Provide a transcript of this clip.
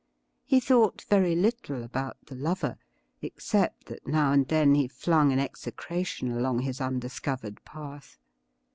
He thought very little about the lover, except that now and then he flung an execration along his undiscovered path.